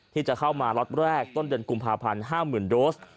ที่จะเข้ามาล็อตแรกต้นเดือนกุมภาพันธ์๕๐๐๐โดส